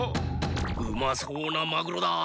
うまそうなマグロだ！